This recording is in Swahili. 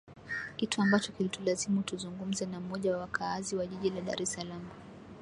kitu ambacho kilitulazimu tuzungumze na mmoja wa wakaazi wa jiji la dar es salaam